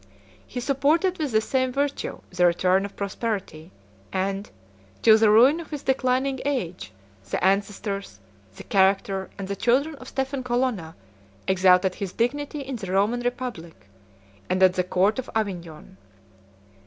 He supported with the same virtue the return of prosperity; and, till the ruin of his declining age, the ancestors, the character, and the children of Stephen Colonna, exalted his dignity in the Roman republic, and at the court of Avignon.